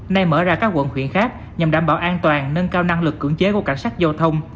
nay mở ra các quận huyện khác nhằm đảm bảo an toàn nâng cao năng lực cưỡng chế của cảnh sát giao thông